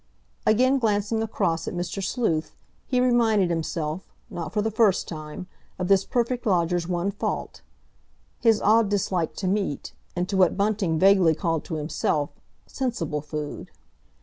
Again glancing across at Mr. Sleuth, he reminded himself, not for the first time, of this perfect lodger's one fault—his odd dislike to meat, and to what Bunting vaguely called to himself, sensible food.